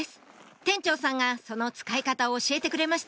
店長さんがその使い方を教えてくれました